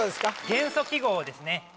元素記号ですね